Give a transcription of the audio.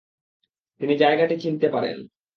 তিনি জায়গাটি চিনতে পারেন।